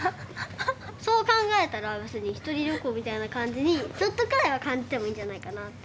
そう考えたら別にひとり旅行みたいな感じにちょっとくらいは感じてもいいんじゃないかなって。